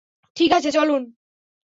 ঠিক আছে, চলুন।